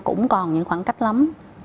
cũng còn những khoảng cách lắm